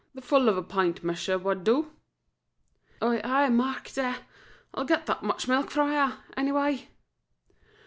The full of a pint measure wad do." "Oh, ay, Mark, dear; I'll get that much milk frae her, any way."